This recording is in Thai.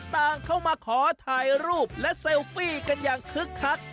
ต่างเข้ามาขอถ่ายรูปและเซลฟี่กันอย่างคึกคัก